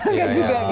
enggak juga gitu